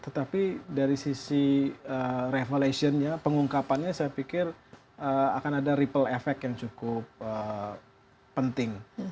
tetapi dari sisi revalationnya pengungkapannya saya pikir akan ada ripple effect yang cukup penting